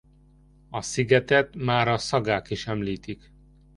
A szigetet már a sagák is említik.